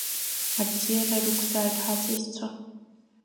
Абзиара рықәзааит ҳасасцәа!